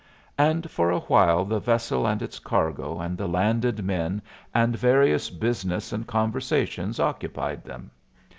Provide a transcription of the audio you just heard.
And for a while the vessel and its cargo and the landed men and various business and conversations occupied them.